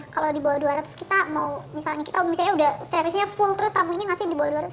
kalau dibawah dua ratus kita mau misalnya kita udah servisnya full terus kamu ini masih dibawah dua ratus